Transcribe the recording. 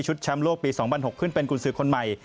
แชมป์โลกปี๒๐๐๖ขึ้นเป็นกุญสือคนใหม่